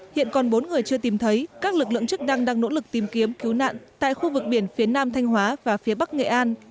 hiện còn bốn người chưa tìm thấy các lực lượng chức năng đang nỗ lực tìm kiếm cứu nạn tại khu vực biển phía nam thanh hóa và phía bắc nghệ an